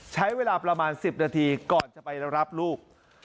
ใช้เวลาประมาณ๑๐นาทีก่อนจะไปรับลูก